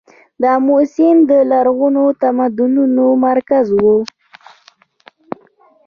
د امو سیند د لرغونو تمدنونو مرکز و